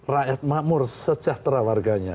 rakyat makmur sejahtera warganya